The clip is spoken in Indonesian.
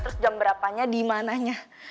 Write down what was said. terus jam berapanya dimananya